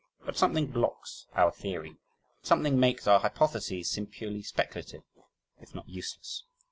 But something blocks our theory! Something makes our hypotheses seem purely speculative if not useless.